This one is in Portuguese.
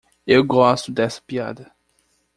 Eu gosto dessa piada.